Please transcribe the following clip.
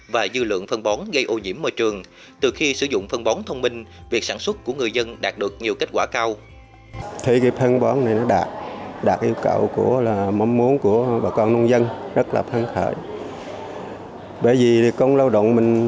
và dư lượng phân bón gây ô nhiễm môi trường từ khi sử dụng phân bón thông minh việc sản xuất của người dân đạt được nhiều kết quả cao